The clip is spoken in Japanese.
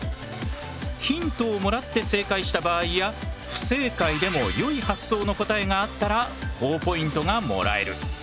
ヒントをもらって正解した場合や不正解でも良い発想の答えがあったらほぉポイントがもらえる。